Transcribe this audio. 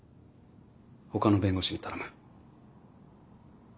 他の弁護士に頼む。